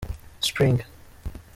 spring.